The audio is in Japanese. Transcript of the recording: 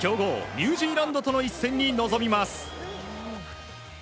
ニュージーランドとの一戦に臨みます。